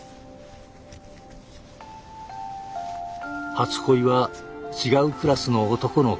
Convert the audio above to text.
初恋は違うクラスの男の子。